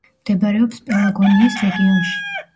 მდებარეობს პელაგონიის რეგიონში.